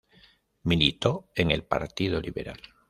Militó en el Partido Liberal.